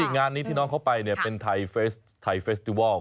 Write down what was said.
งานนี้ที่นอนเขาไปเนี่ยเป็นไทยเฟสติวอล